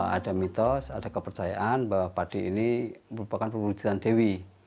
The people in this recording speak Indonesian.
ada mitos ada kepercayaan bahwa padi ini merupakan perwujudan dewi